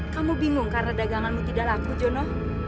kamu bingung karena daganganmu tidak laku jono